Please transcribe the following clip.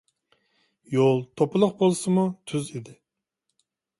يول توپىلىق بولسىمۇ تۈز ئىدى.